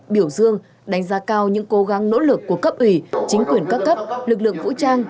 biểu dương đánh giá cao những cố gắng nỗ lực của cấp ủy chính quyền các cấp lực lượng vũ trang